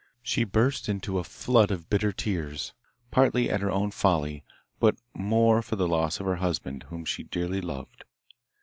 She burst into a flood of bitter tears, partly at her own folly, but more for the loss of her husband, whom she dearly loved.